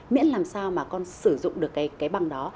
miễn làm sao mà con sử dụng được cái băng đó